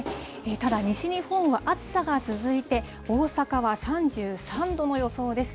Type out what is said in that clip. ただ、西日本は暑さが続いて、大阪は３３度の予想です。